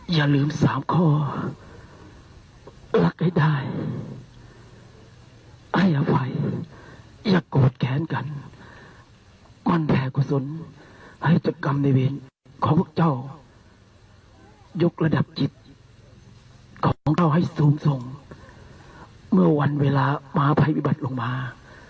ยกระดับจิตของเจ้าให้สูงส่งเมื่อวันเวลามาภัยพิวัติลงมา